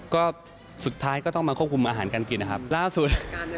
ก็สุดท้ายก็ต้องมาควบคุมอาหารการกินนะครับล่าสุด